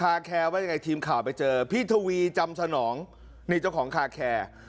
แล้วทีมข่าวไปเจอพี่ทวีจำสนองในเจ้าของคาแคร์